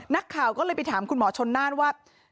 นักข่าวก็เลยไปถามคุณหมอชนน่านว่า